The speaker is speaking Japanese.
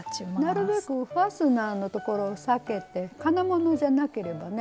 なるべくファスナーのところを避けて金物じゃなければね